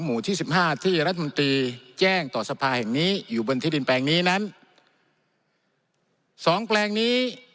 หมู่ที่สิบห้าที่รัฐมนตรีแจ้งต่อสภาแห่งนี้อยู่บนที่ดินแปลงนี้นั้นสองแปลงนี้